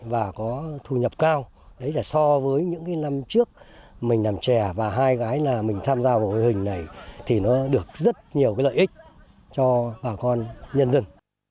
và có thu nhập cao đấy là so với những cái năm trước mình làm chè và hai gái là mình tham gia mô hình này thì nó được rất nhiều cái lợi ích cho bà con nhân dân